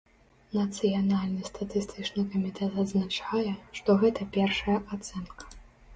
Нацыянальны статыстычны камітэт адзначае, што гэта першая ацэнка.